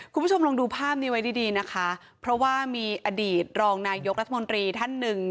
คุณผู้ชมลองดูภาพนี้ไว้ดีดีนะคะเพราะว่ามีอดีตรองนายกรัฐมนตรีท่านหนึ่ง